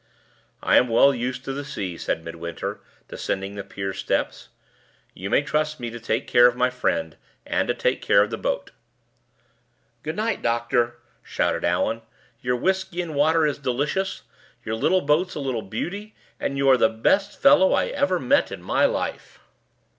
"I am well used to the sea," said Midwinter, descending the pier steps. "You may trust me to take care of my friend, and to take care of the boat." "Good night, doctor!" shouted Allan. "Your whisky and water is delicious your boat's a little beauty and you're the best fellow I ever met in my life!"